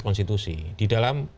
konstitusi di dalam